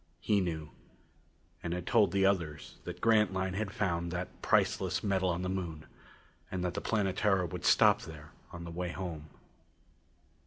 He knew, and had told the others that Grantline had found that priceless metal on the Moon and that the Planetara would stop there on the way home.